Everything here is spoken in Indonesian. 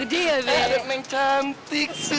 adik men cantik